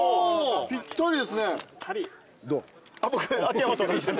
ぴったりですね。